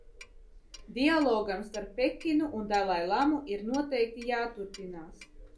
Dialogam starp Pekinu un Dalailamu ir noteikti jāturpinās.